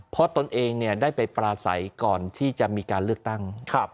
เพราะตนเองได้ไปปราศัยก่อนที่จะมีการเลือกตั้ง